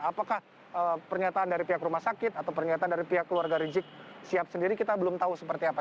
apakah pernyataan dari pihak rumah sakit atau pernyataan dari pihak keluarga rizik sihab sendiri kita belum tahu seperti apa